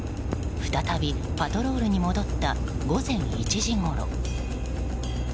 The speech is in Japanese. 再び、パトロールに戻った午前１時ごろ。